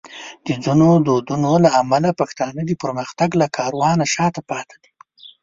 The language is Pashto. د ځینو دودونو له امله پښتانه د پرمختګ له کاروانه شاته پاتې دي.